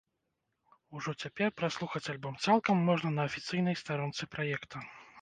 Ужо цяпер праслухаць альбом цалкам можна на афіцыйнай старонцы праекта.